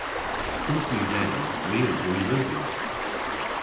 "Kynth yw yeyn, my a vynn neuvya."